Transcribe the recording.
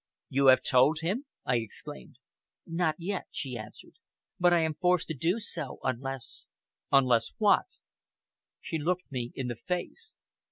"You have told him!" I exclaimed. "Not yet," she answered, "but I am forced to do so, unless " "Unless what?" She looked me in the face.